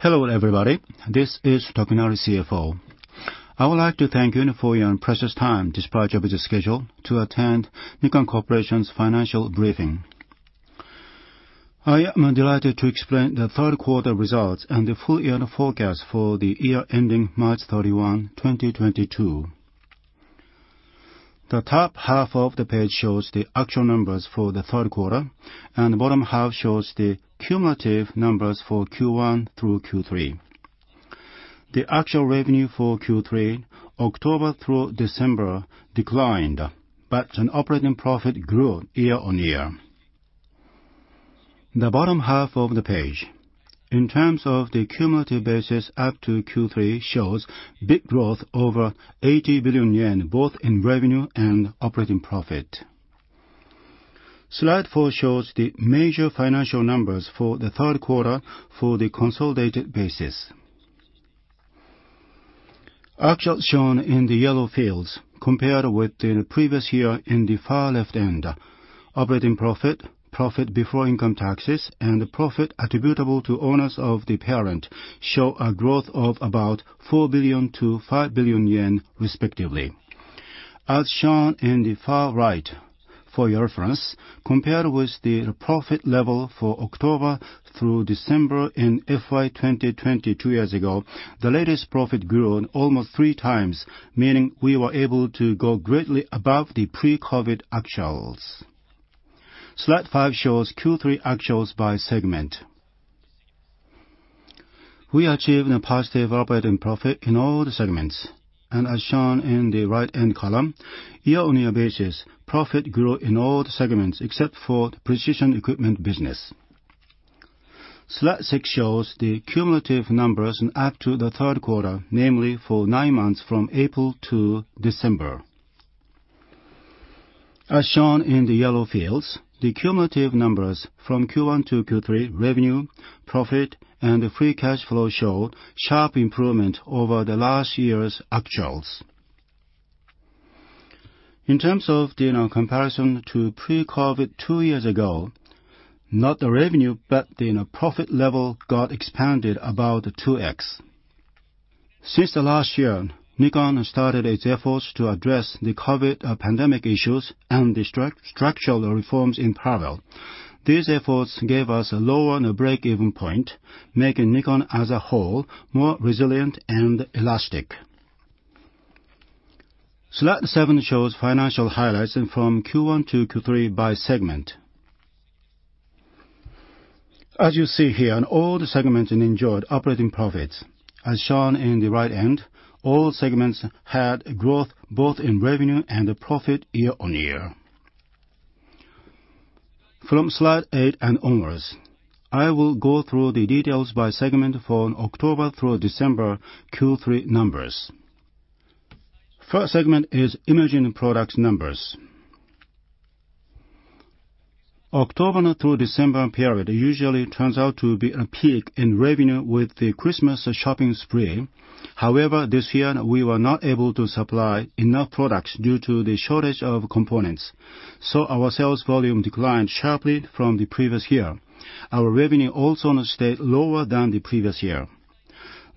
Hello, everybody. This is MuneAki Tokunari, CFO. I would like to thank you for your precious time despite your busy schedule to attend Nikon Corporation's financial briefing. I am delighted to explain the Q3 results and the full year forecast for the year ending March 31, 2022. The top half of the page shows the actual numbers for the Q3, and the bottom half shows the cumulative numbers for Q1 through Q3. The actual revenue for Q3, October through December, declined, but an operating profit grew year-on-year. The bottom half of the page, in terms of the cumulative basis up to Q3, shows big growth over 80 billion yen, both in revenue and operating profit. Slide 4 shows the major financial numbers for the third quarter for the consolidated basis. Actuals shown in the yellow fields compared with the previous year in the far left end. Operating profit before income taxes, and the profit attributable to owners of the parent show a growth of about 4 billion-5 billion yen respectively. As shown in the far right, for your reference, compared with the profit level for October through December in FY 2022 years ago, the latest profit grew almost 3x, meaning we were able to go greatly above the pre-COVID-19 actuals. Slide 5 shows Q3 actuals by segment. We achieved a positive operating profit in all the segments, and as shown in the right end column, year-on-year basis, profit grew in all the segments except for the Precision Equipment business. Slide 6 shows the cumulative numbers up to the third quarter, namely for nine months from April to December. As shown in the yellow fields, the cumulative numbers from Q1 to Q3 revenue, profit, and free cash flow show sharp improvement over the last year's actuals. In terms of the comparison to pre-COVID two years ago, not the revenue, but the profit level got expanded about 2x. Since the last year, Nikon started its efforts to address the COVID pandemic issues and the structural reforms in parallel. These efforts gave us a lower and a break-even point, making Nikon as a whole more resilient and elastic. Slide 7 shows financial highlights from Q1 to Q3 by segment. As you see here, all the segments enjoyed operating profits. As shown in the right end, all segments had growth both in revenue and profit year-on-year. From slide 8 and onwards, I will go through the details by segment for October through December Q3 numbers. First segment is Imaging Products. October through December period usually turns out to be a peak in revenue with the Christmas shopping spree. However, this year, we were not able to supply enough products due to the shortage of components, so our sales volume declined sharply from the previous year. Our revenue also stayed lower than the previous year.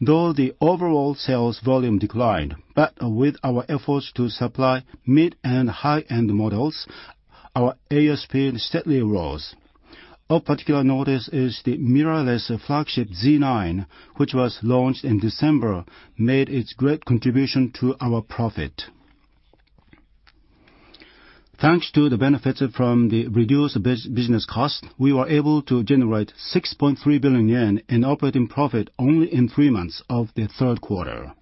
Though the overall sales volume declined, but with our efforts to supply mid- and high-end models, our ASP steadily rose. Of particular notice is the mirrorless flagship Z 9, which was launched in December, made its great contribution to our profit. Thanks to the benefits from the reduced business cost, we were able to generate 6.3 billion yen in operating profit only in three months of the Q3.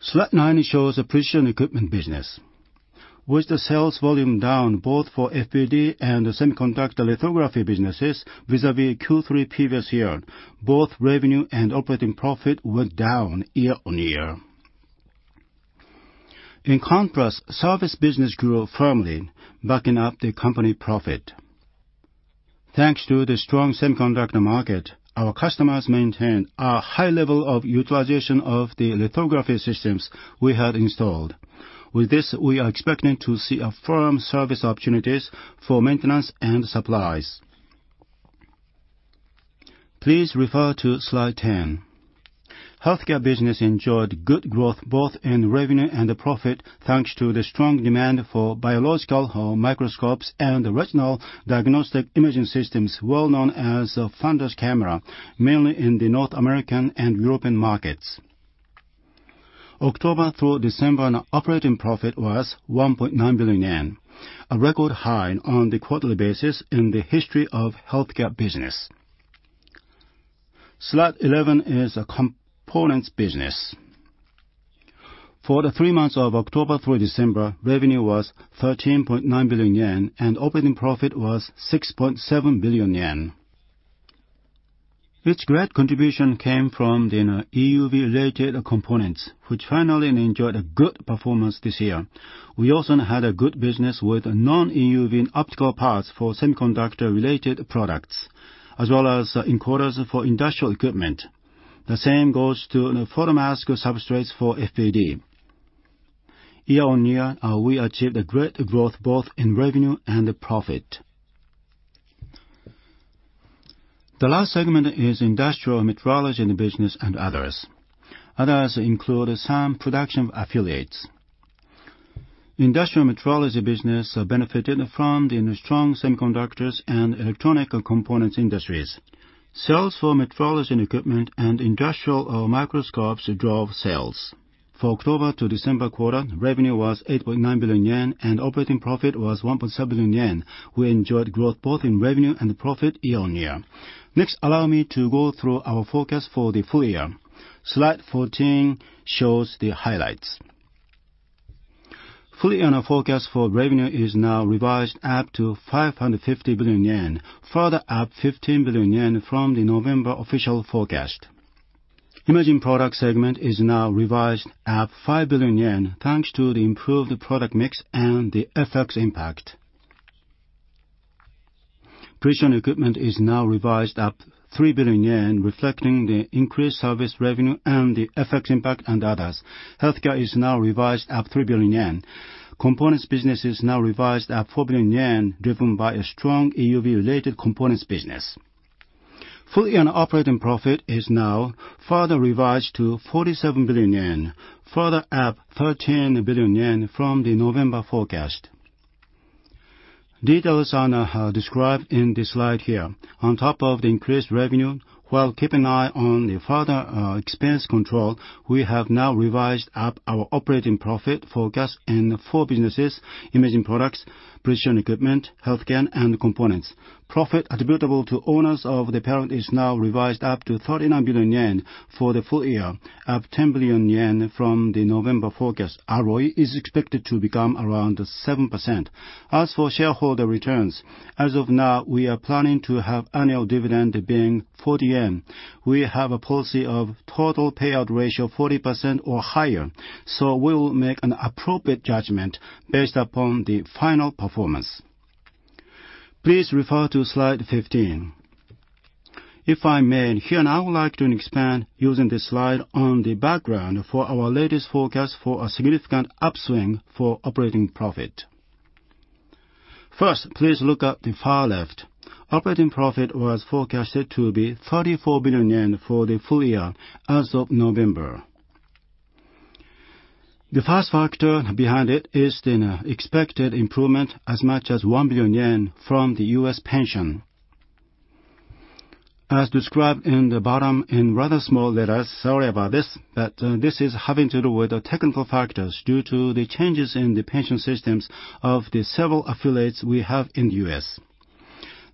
Slide 9 shows Precision Equipment business. With the sales volume down both for FPD and the semiconductor lithography businesses vis-a-vis Q3 previous year, both revenue and operating profit went down year-on-year. In contrast, service business grew firmly, backing up the company profit. Thanks to the strong semiconductor market, our customers maintained a high level of utilization of the lithography systems we had installed. With this, we are expecting to see a firm service opportunities for maintenance and supplies. Please refer to slide 10. Healthcare business enjoyed good growth both in revenue and profit, thanks to the strong demand for biological microscopes and retinal diagnostic imaging systems, well-known as a fundus camera, mainly in the North American and European markets. October through December operating profit was 1.9 billion yen, a record high on the quarterly basis in the history of healthcare business. Slide 11 is a components business. For the three months of October through December, revenue was 13.9 billion yen and operating profit was 6.7 billion yen. Its great contribution came from the EUV related components, which finally enjoyed a good performance this year. We also had a good business with non-EUV optical parts for semiconductor related products, as well as encoders for industrial equipment. The same goes to photomask substrates for FPD. Year-over-year, we achieved a great growth both in revenue and profit. The last segment is Industrial Metrology business and others. Others include some production affiliates. Industrial Metrology business benefited from the strong semiconductors and electronic components industries. Sales for metrology and equipment and industrial microscopes drove sales. For October to December quarter, revenue was 8.9 billion yen, and operating profit was 1.7 billion yen. We enjoyed growth both in revenue and profit year-over-year. Next, allow me to go through our forecast for the full year. Slide 14 shows the highlights. Full year forecast for revenue is now revised up to 550 billion yen, further up 15 billion yen from the November official forecast. Imerging products segment is now revised up 5 billion yen, thanks to the improved product mix and the FX impact. Precision Equipment is now revised up 3 billion yen, reflecting the increased service revenue and the FX impact and others. Healthcare is now revised up 3 billion yen. Components business is now revised up 4 billion yen, driven by a strong EUV-related components business. Full year operating profit is now further revised to 47 billion yen, further up 13 billion yen from the November forecast. Details are now described in the slide here. On top of the increased revenue, while keeping an eye on the further expense control, we have now revised up our operating profit forecast in four businesses: Imaging Products, Precision Equipment, Healthcare, and Components. Profit attributable to owners of the parent is now revised up to 39 billion yen for the full year, up 10 billion yen from the November forecast. ROE is expected to become around 7%. As for shareholder returns, as of now, we are planning to have annual dividend being 40 yen. We have a policy of total payout ratio 40% or higher, so we will make an appropriate judgment based upon the final performance. Please refer to slide 15. If I may, here now I would like to expand using this slide on the background for our latest forecast for a significant upswing for operating profit. First, please look at the far left. Operating profit was forecasted to be 34 billion yen for the full year as of November. The first factor behind it is the expected improvement as much as 1 billion yen from the U.S. pension. As described in the bottom in rather small letters, sorry about this, but this is having to do with the technical factors due to the changes in the pension systems of the several affiliates we have in the U.S.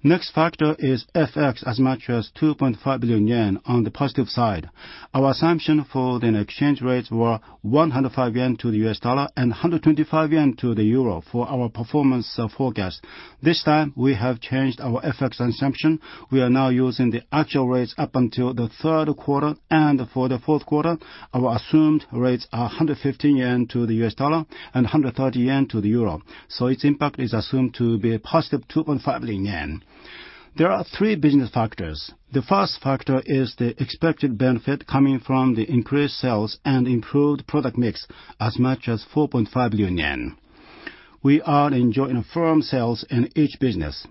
Next factor is FX, as much as 2.5 billion yen on the positive side. Our assumption for the exchange rates were 105 yen to the U.S. dollar and 125 yen to the euro for our performance forecast. This time, we have changed our FX assumption. We are now using the actual rates up until the Q3. For the Q4, our assumed rates are 115 yen to the U.S. dollar and 130 yen to the euro, so its impact is assumed to be +2.5 billion yen. There are three business factors. The first factor is the expected benefit coming from the increased sales and improved product mix as much as 4.5 billion yen. We are enjoying firm sales in each business.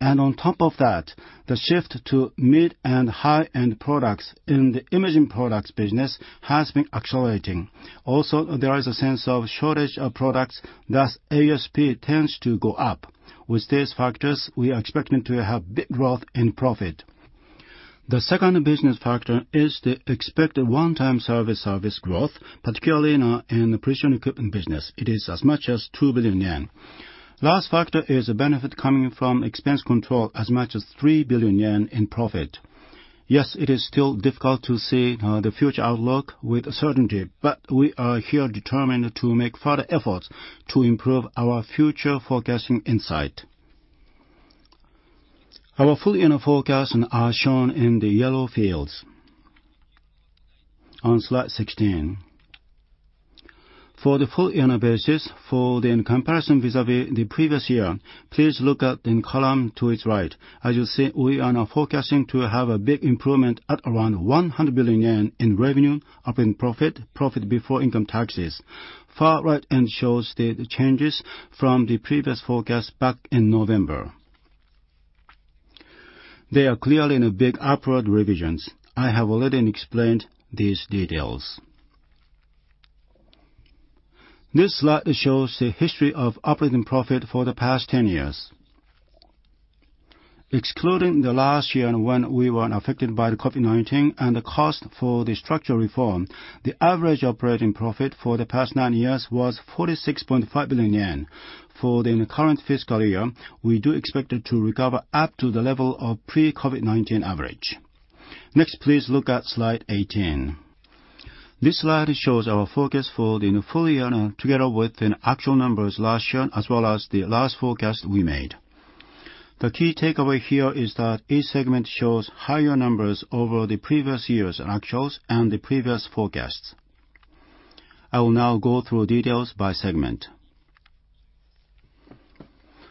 On top of that, the shift to mid and high-end products in the Imaging Products business has been accelerating. Also, there is a sense of shortage of products, thus ASP tends to go up. With these factors, we are expecting to have big growth in profit. The second business factor is the expected one-time service growth, particularly in our Precision Equipment business. It is as much as 2 billion yen. Last factor is a benefit coming from expense control as much as 3 billion yen in profit. Yes, it is still difficult to see the future outlook with certainty, but we are here determined to make further efforts to improve our future forecasting insight. Our full year now forecast are shown in the yellow fields. On slide 16, for the full year now basis for the comparison vis-à-vis the previous year, please look at the column to its right. As you see, we are now forecasting to have a big improvement at around 100 billion yen in revenue, operating profit before income taxes. Far right end shows the changes from the previous forecast back in November. They are clearly in a big upward revisions. I have already explained these details. This slide shows the history of operating profit for the past 10 years. Excluding the last year when we were affected by the COVID-19 and the cost for the structural reform, the average operating profit for the past nine years was 46.5 billion yen. For the current fiscal year, we do expect it to recover up to the level of pre-COVID-19 average. Next, please look at slide 18. This slide shows our forecast for the full year now, together with and actual numbers last year, as well as the last forecast we made. The key takeaway here is that each segment shows higher numbers over the previous year's actuals and the previous forecasts. I will now go through details by segment.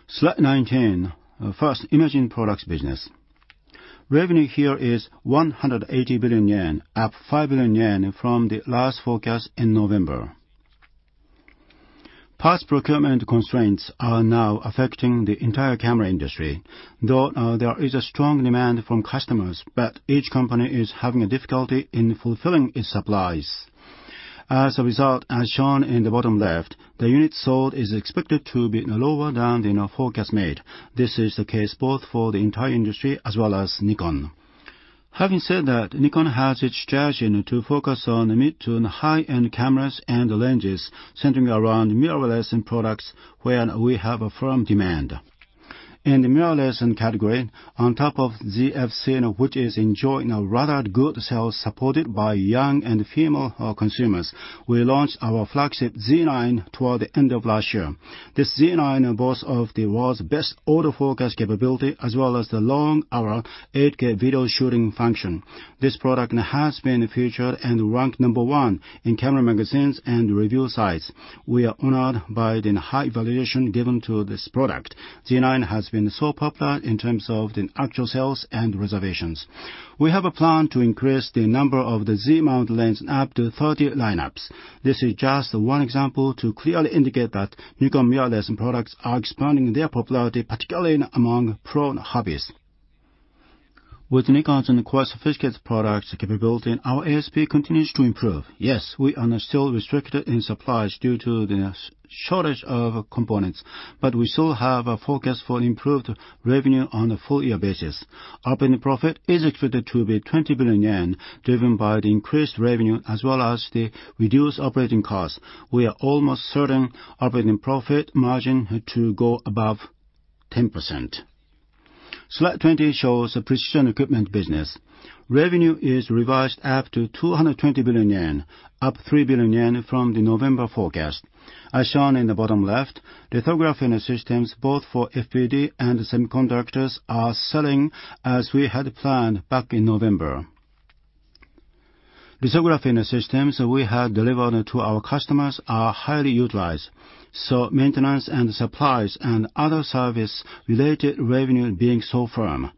Slide 19. First, Imaging Products business. Revenue here is 180 billion yen, up 5 billion yen from the last forecast in November. Parts procurement constraints are now affecting the entire camera industry, though there is a strong demand from customers, but each company is having a difficulty in fulfilling its supplies. As a result, as shown in the bottom left, the units sold is expected to be lower than in our forecast made. This is the case both for the entire industry as well as Nikon. Having said that, Nikon has its strategy to focus on the mid to high-end cameras and lenses, centering around mirrorless products where we have a firm demand. In the mirrorless category, on top of Z fc, which is enjoying a rather good sales supported by young and female consumers, we launched our flagship Z 9 toward the end of last year. This Z 9 boasts of the world's best auto focus capability, as well as the long hour 8K video shooting function. This product now has been featured and ranked number one in camera magazines and review sites. We are honored by the high valuation given to this product. Z 9 has been so popular in terms of the actual sales and reservations. We have a plan to increase the number of the Z mount lens up to 30 lineups. This is just one example to clearly indicate that Nikon mirrorless products are expanding their popularity, particularly among pro hobbyists. With Nikon's and quite sophisticated products capability, our ASP continues to improve. Yes, we are still restricted in supplies due to the shortage of components, but we still have a forecast for improved revenue on a full year basis. Operating profit is expected to be 20 billion yen, driven by the increased revenue as well as the reduced operating costs. We are almost certain operating profit margin to go above 10%. Slide 20 shows the Precision Equipment business. Revenue is revised up to 220 billion yen, up 3 billion yen from the November forecast. As shown in the bottom left, lithography systems, both for FPD and semiconductors, are selling as we had planned back in November. Lithography systems we have delivered to our customers are highly utilized, so maintenance and supplies and other service related revenue being so firm.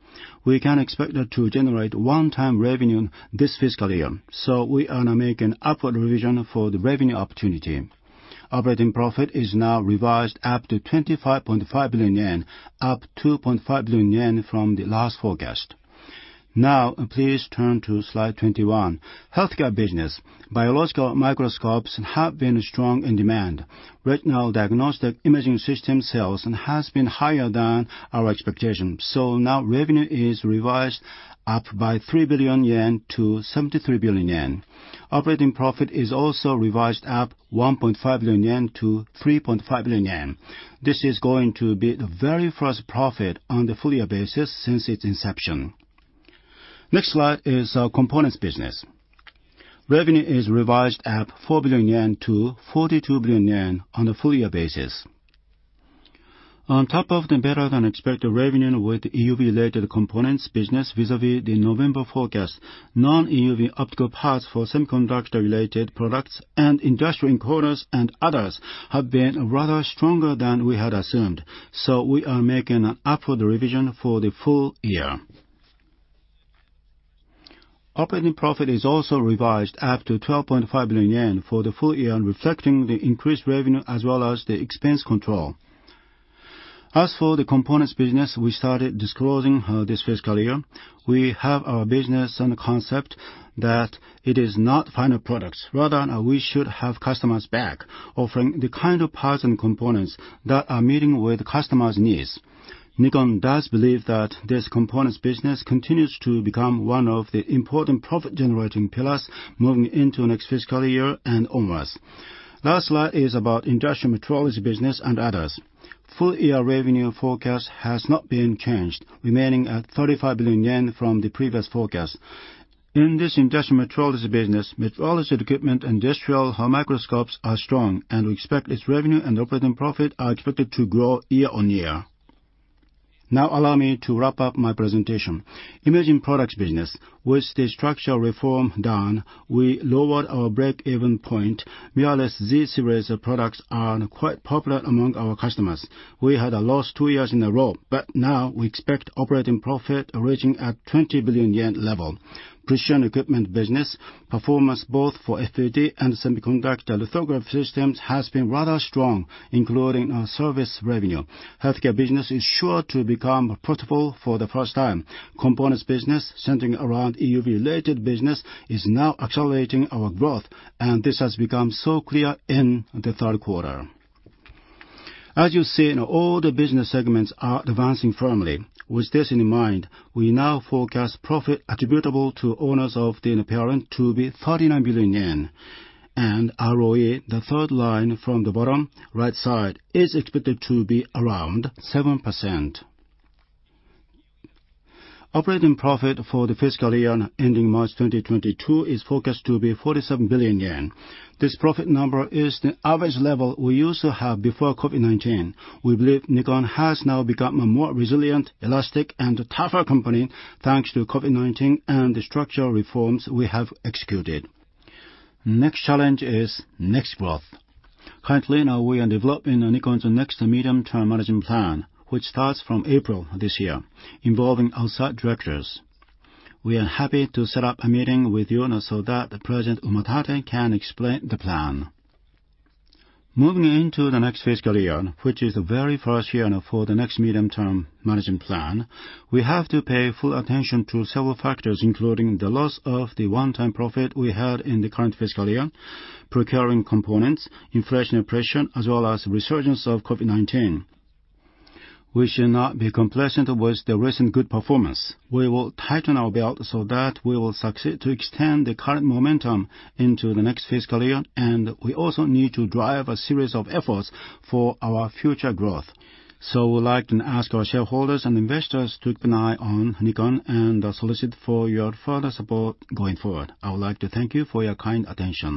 We can expect it to generate one-time revenue this fiscal year, so we are now making upward revision for the revenue opportunity. Operating profit is now revised up to 25.5 billion yen, up 2.5 billion yen from the last forecast. Now, please turn to slide 21. Healthcare business. Biological microscopes have been strong in demand. Retinal diagnostic imaging system sales has been higher than our expectation. Now revenue is revised up by 3 billion yen to 73 billion yen. Operating profit is also revised up 1.5 billion yen to 3.5 billion yen. This is going to be the very first profit on the full year basis since its inception. Next slide is our Components business. Revenue is revised up 4 billion yen to 42 billion yen on a full year basis. On top of the better than expected revenue with EUV-related Components business vis-a-vis the November forecast, non-EUV optical parts for semiconductor-related products and industrial encoders and others have been rather stronger than we had assumed. We are making an upward revision for the full year. Operating profit is also revised up to 12.5 billion yen for the full year, reflecting the increased revenue as well as the expense control. As for the Components business we started disclosing this fiscal year, we have our business and concept that it is not final products. Rather, we should have customers back offering the kind of parts and components that are meeting with the customer's needs. Nikon does believe that this Components business continues to become one of the important profit generating pillars moving into next fiscal year and onwards. Last slide is about Industrial Metrology business and others. Full-year revenue forecast has not been changed, remaining at 35 billion yen from the previous forecast. In this Industrial Metrology business, metrology equipment, industrial microscopes are strong, and we expect its revenue and operating profit are expected to grow year-on-year. Now allow me to wrap up my presentation. Imaging Products business. With the structural reform done, we lowered our break-even point. Mirrorless Z series of products are quite popular among our customers. We had a loss two years in a row, but now we expect operating profit reaching a 20 billion yen level. Precision Equipment business performance both for FPD and semiconductor lithography systems has been rather strong, including our service revenue. Healthcare business is sure to become profitable for the first time. Components business centering around EUV related business is now accelerating our growth, and this has become so clear in the Q3. As you see, all the business segments are advancing firmly. With this in mind, we now forecast profit attributable to owners of the parent to be 39 billion yen. ROE, the third line from the bottom right side, is expected to be around 7%. Operating profit for the fiscal year ending March 2022 is forecast to be 47 billion yen. This profit number is the average level we used to have before COVID-19. We believe Nikon has now become a more resilient, elastic, and a tougher company thanks to COVID-19 and the structural reforms we have executed. Next challenge is next growth. Currently now we are developing Nikon's next medium-term management plan, which starts from April this year, involving outside directors. We are happy to set up a meeting with you so that the President Umatate can explain the plan. Moving into the next fiscal year, which is the very first year now for the next medium-term management plan, we have to pay full attention to several factors, including the loss of the one-time profit we had in the current fiscal year, procuring components, inflation pressure, as well as resurgence of COVID-19. We should not be complacent with the recent good performance. We will tighten our belt so that we will succeed to extend the current momentum into the next fiscal year, and we also need to drive a series of efforts for our future growth. We would like to ask our shareholders and investors to keep an eye on Nikon and solicit for your further support going forward. I would like to thank you for your kind attention.